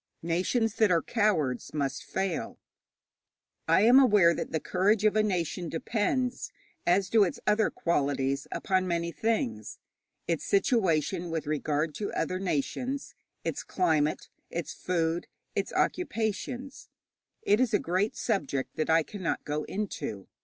Nations that are cowards must fail. I am aware that the courage of a nation depends, as do its other qualities, upon many things: its situation with regard to other nations, its climate, its food, its occupations. It is a great subject that I cannot go into.